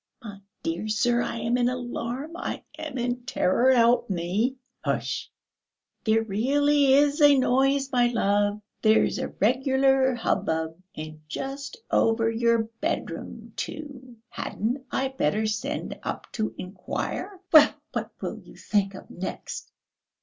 "My dear sir! I am in alarm, I am in terror, help me." "Hush!" "There really is a noise, my love; there's a regular hubbub. And just over your bedroom, too. Hadn't I better send up to inquire?" "Well, what will you think of next?"